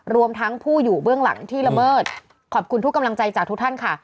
รวมทั้งผู้อยู่เบื้องหลังที่ละเมิดขอบคุณทุกกำลังใจจากทุกท่านค่ะ